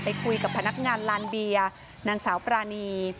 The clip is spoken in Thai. คุยกับพนักงานลานเบียร์นางสาวปรานี